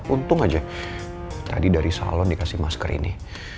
untung aja tadi dari salon dikasih masker ini